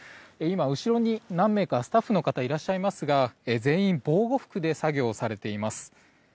今、後ろに何名かスタッフの方がいらっしゃいますが全員防護服で作業をされています。